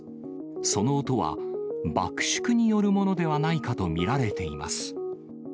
その音は、爆縮によるものではないかと見られています。